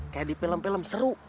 kayak di film film seru